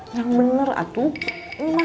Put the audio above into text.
yang bener atuh